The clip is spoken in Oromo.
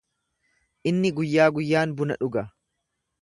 Inni guyyaa guyyaan buna dhuga.